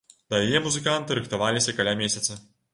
Да яе музыканты рыхтаваліся каля месяца.